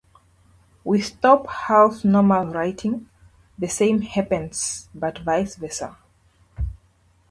With top half-normal wiring, the same happens but vice versa.